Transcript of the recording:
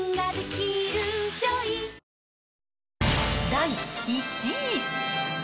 第１位。